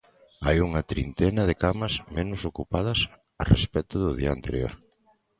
Hai unha trintena de camas menos ocupadas a respecto do día anterior.